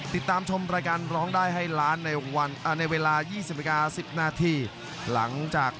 ได้ลูกแข็งแรงแข็งแรงครับ